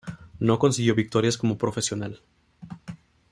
No consiguió victorias como profesional.